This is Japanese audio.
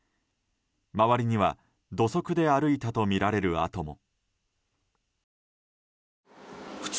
周りには土足で歩いたとみられる跡も。